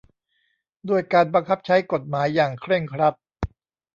ด้วยการบังคับใช้กฎหมายอย่างเคร่งครัด